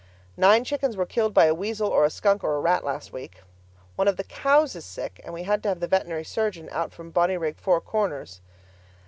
Nine chickens were killed by a weasel or a skunk or a rat last week. One of the cows is sick, and we had to have the veterinary surgeon out from Bonnyrigg Four Corners.